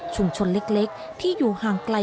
ชุมชนเล็กที่อยู่ห่างไกล